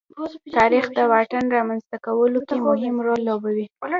تاریخ د واټن رامنځته کولو کې مهم رول لوبوي.